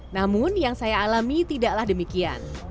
namun yang saya alami tidaklah demikian